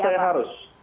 menurut saya harus